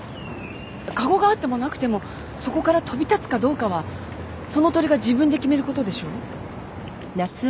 籠があってもなくてもそこから飛び立つかどうかはその鳥が自分で決めることでしょ？